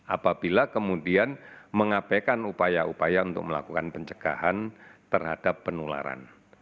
apabila kemudian mengabaikan upaya upaya untuk melakukan pencegahan terhadap penularan